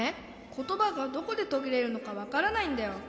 ことばがどこでとぎれるのかわからないんだよ。